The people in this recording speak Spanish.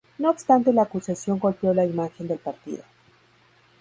No obstante la acusación golpeó la imagen del partido.